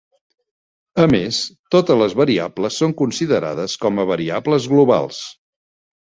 A més, totes les variables són considerades com a variables globals.